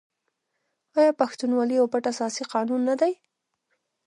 آیا پښتونولي یو پټ اساسي قانون نه دی؟